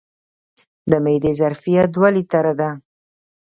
د معدې ظرفیت دوه لیټره دی.